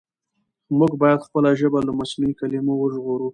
موږ بايد خپله ژبه له مصنوعي کلمو وژغورو.